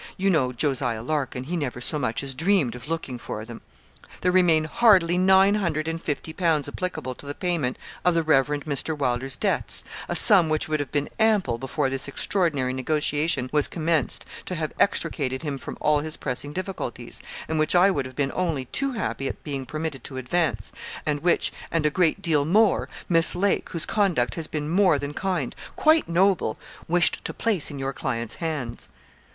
You know Jos. Larkin he never so much as dreamed of looking for them.' 'There remain hardly nine hundred and fifty pounds applicable to the payment of the Reverend Mr. Wylder's debts a sum which would have been ample, before this extraordinary negotiation was commenced, to have extricated him from all his pressing difficulties, and which I would have been only too happy at being permitted to advance, and which, and a great deal more, Miss Lake, whose conduct has been more than kind quite noble wished to place in your client's hands.'